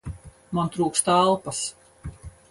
Man trūkst elpas!